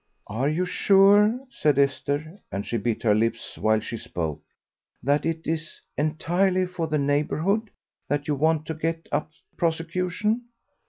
"Are you sure," said Esther, and she bit her lips while she spoke, "that it is entirely for the neighbourhood that you want to get up the prosecution?"